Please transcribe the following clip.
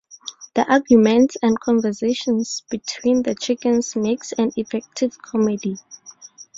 The arguments and conversations between the chickens makes an effective comedy.